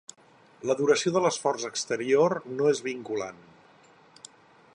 La duració de l'esforç exterior no és vinculant.